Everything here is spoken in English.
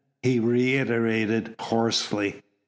he reiterated hoarsely.